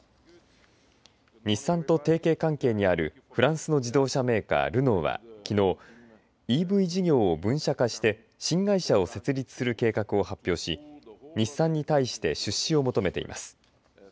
日産と提携関係にあるフランスの自動車メーカールノーは、きのうＥＶ事業を分社化して新会社を設立する計画を発表し日産に対して出資を求めています。